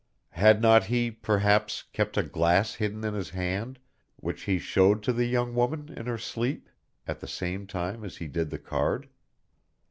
Had not he, perhaps, kept a glass hidden in his hand, which he showed to the young woman in her sleep, at the same time as he did the card?